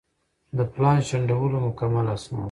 د پلان شنډولو مکمل اسناد